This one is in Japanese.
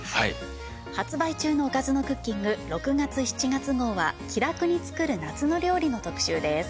発売中の『おかずのクッキング』６月７月号は「気楽につくる夏の料理」の特集です。